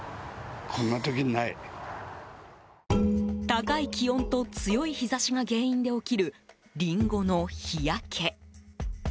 高い気温と強い日差しが原因で起きる、リンゴの日焼け。